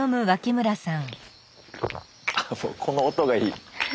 この音がいい。